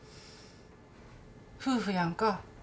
夫婦やんか。